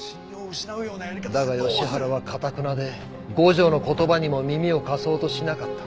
だが吉原はかたくなで五条の言葉にも耳を貸そうとしなかった。